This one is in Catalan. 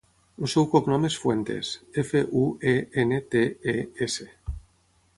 El seu cognom és Fuentes: efa, u, e, ena, te, e, essa.